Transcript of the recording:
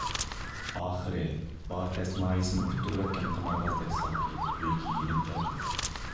ئاخىرى بار دەسمايىسىنى ئۇتتۇرۇۋەتكەن قىمارۋازدەك سالپىيىپ ئۆيگە يېنىپ كەلدىم.